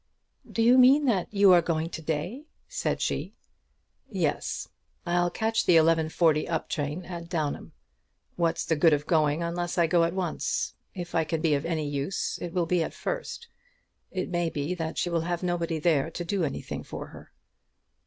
"Do you mean that you are going to day?" said she. "Yes. I'll catch the 11.40 up train at Downham. What's the good of going unless I go at once? If I can be of any use it will be at the first. It may be that she will have nobody there to do anything for her."